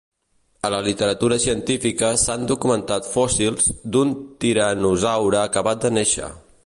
A la literatura científica s"han documentat fòssils d"un tiranosaure acabat de néixer.